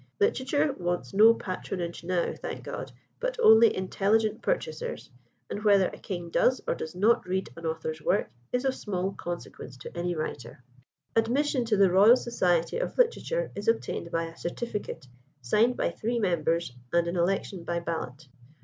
Literature wants no patronage now, thank God, but only intelligent purchasers; and whether a king does or does not read an author's work, is of small consequence to any writer. [Illustration: OLD SLAUGHTER'S COFFEE HOUSE.] Admission to the Royal Society of Literature is obtained by a certificate, signed by three members, and an election by ballot.